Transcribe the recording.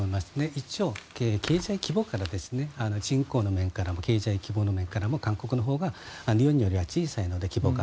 一応、経済規模からも人口の面からも韓国のほうが日本よりは小さいので、規模が。